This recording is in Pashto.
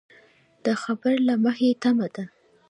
د خبر له مخې تمه ده